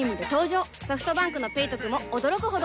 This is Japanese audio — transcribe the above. ソフトバンクの「ペイトク」も驚くほどおトク